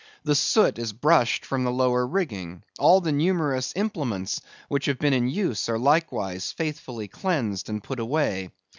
The soot is brushed from the lower rigging. All the numerous implements which have been in use are likewise faithfully cleansed and put away.